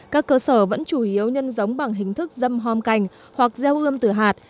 các cơ sở vẫn chủ yếu nhân giống bằng hình thức dâm hom canh hoặc gieo ươm tử hạt